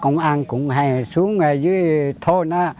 công an cũng hay xuống dưới thôn